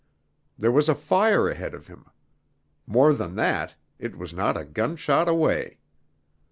There was a fire ahead of him. More than that, it was not a gunshot away!